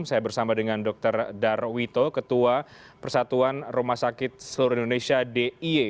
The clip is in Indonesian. saya bersama dengan dr darwito ketua persatuan rumah sakit seluruh indonesia dia